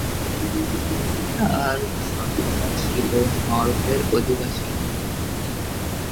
তাঁর বাবা-মা ছিলেন নরওয়ের অভিবাসী।